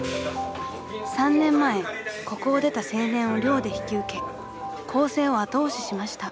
［３年前ここを出た青年を寮で引き受け更生を後押ししました］